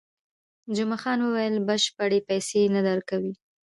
جمعه خان وویل، بشپړې پیسې نه درکوي.